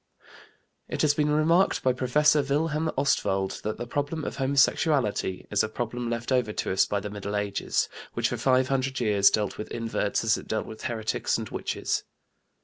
It has been remarked by Professor Wilhelm Ostwald that the problem of homosexuality is a problem left over to us by the Middle Ages, which for five hundred years dealt with inverts as it dealt with heretics and witches.